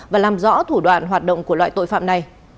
và làm rõ thủ đoạn hoạt động của loại tội phạm này